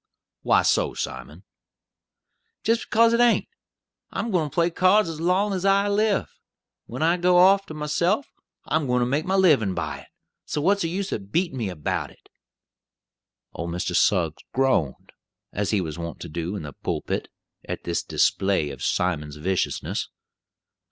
"Why so, Simon?" "Jist bekase it ain't. I'm gwine to play cards as long as I live. When I go off to myself, I'm gwine to make my livin' by it. So what's the use of beatin' me about it?" Old Mr. Suggs groaned, as he was wont to do in the pulpit, at this display of Simon's viciousness.